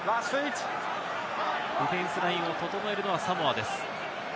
ディフェンスラインを整えるのはサモアです。